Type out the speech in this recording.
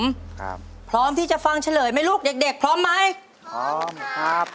ครับพร้อมที่จะฟังเฉลยไหมลูกเด็กเด็กพร้อมไหมพร้อมครับ